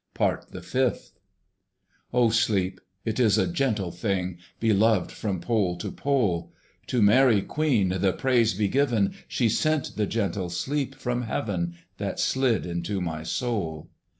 PART THE FIFTH. Oh sleep! it is a gentle thing, Beloved from pole to pole! To Mary Queen the praise be given! She sent the gentle sleep from Heaven, That slid into my soul.